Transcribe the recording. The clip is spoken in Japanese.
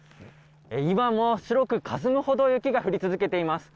今も白くかすむほど雪が降り続いています。